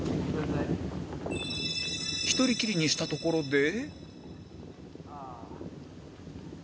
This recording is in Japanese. １人きりにしたところで